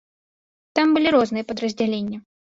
Там былі розныя падраздзяленні.